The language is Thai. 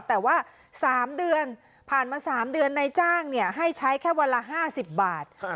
แต่ว่าสามเดือนผ่านมาสามเดือนในจ้างเนี้ยให้ใช้แค่วันละห้าสิบบาท